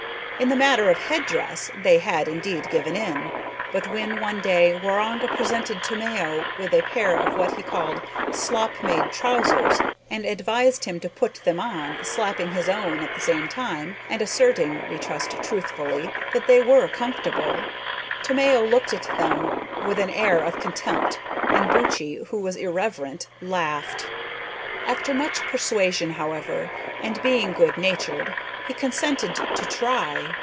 In the matter of head dress they had indeed given in; but when one day, Waroonga presented Tomeo with a pair of what are called slop made trousers, and advised him to put them on, slapping his own at the same time, and asserting (we trust truthfully) that they were comfortable, Tomeo looked at them with an air of contempt and Buttchee, who was irreverent, laughed. After much persuasion, however, and being good natured, he consented to try.